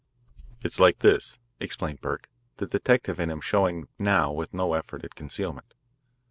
"It's like this," explained Burke, the detective in him showing now with no effort at concealment.